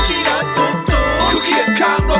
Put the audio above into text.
สวัสดีครับ